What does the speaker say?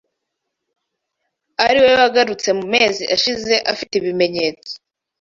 ari we wagarutse mu mezi ashize afite ibimenyetso